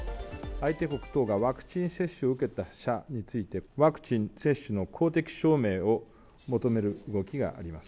相手国等がワクチン接種を受けた者について、ワクチン接種の公的証明を求める動きがあります。